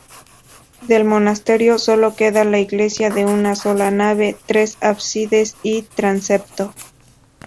Del monasterio solo queda la iglesia de una sola nave, tres ábsides y transepto.